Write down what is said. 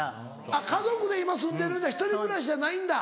あっ家族で今住んでるんだ１人暮らしじゃないんだ。